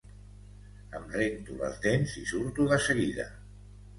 Em rento les dents i surto de seguida